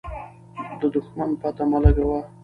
د دښمن پته مه لګوه.